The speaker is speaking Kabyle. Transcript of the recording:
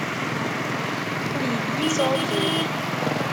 Ur yelli yesɛuẓẓug.